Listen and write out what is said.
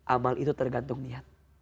amal itu tergantung niat